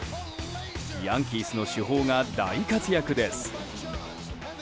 ヤンキースの主砲が大活躍です。